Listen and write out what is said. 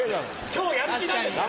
今日やる気なんですから。